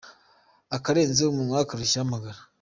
Akarenze umunwa karushya ihamagara.